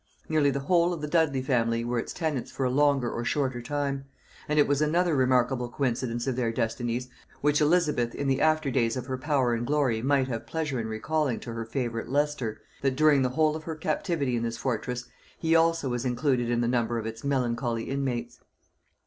Nearly the whole of the Dudley family were its tenants for a longer or shorter time; and it was another remarkable coincidence of their destinies, which Elizabeth in the after days of her power and glory might have pleasure in recalling to her favorite Leicester, that during the whole of her captivity in this fortress he also was included in the number of its melancholy inmates.